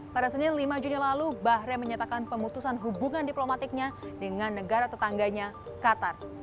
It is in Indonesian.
pada senin lima juni lalu bahra menyatakan pemutusan hubungan diplomatiknya dengan negara tetangganya qatar